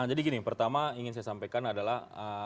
jadi gini pertama ingin saya sampaikan adalah